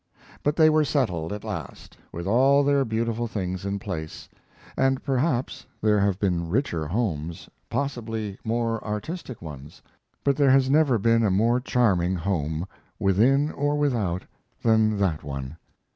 But they were settled at last, with all their beautiful things in place; and perhaps there have been richer homes, possibly more artistic ones, but there has never been a more charming home, within or without, than that one.